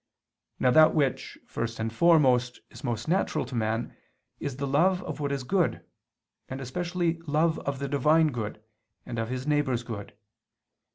Now that which, first and foremost, is most natural to man, is the love of what is good, and especially love of the Divine good, and of his neighbor's good.